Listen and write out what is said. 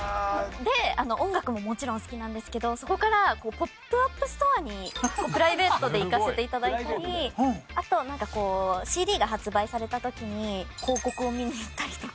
で音楽ももちろん好きなんですけどそこからポップアップストアにプライベートで行かせて頂いたりあとＣＤが発売された時に広告を見に行ったりとか。